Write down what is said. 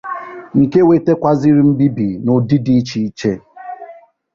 nke wetekwazịrị mbibì n'ụdị dị iche iche.